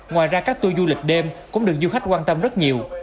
ngoài ra các tour du lịch đêm cũng được du khách quan tâm rất nhiều